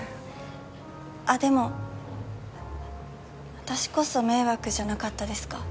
私こそ迷惑じゃなかったですか？